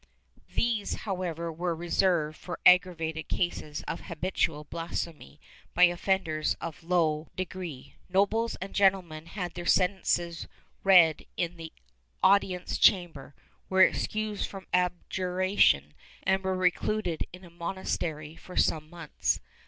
^ These, however, were reserved for aggravated cases of habitual blasphemy by offenders of low degree; nobles and gentlemen had their sentences read in the audience chamber, were excused from abjuration, and were recluded in a monastery for some months.